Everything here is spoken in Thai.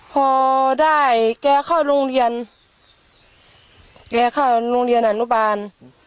พอได้แกเข้าโรงเรียนแกเข้าโรงเรียนอนุบาล